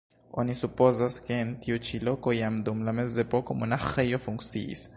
Oni supozas, ke en tiu ĉi loko jam dum la mezepoko monaĥejo funkciis.